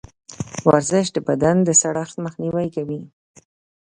ورزش د بدن د سړښت مخنیوی کوي.